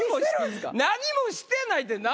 何もしてないって。